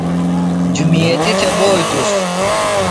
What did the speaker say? جُمیتیۡ تھےۡ بوئی تُس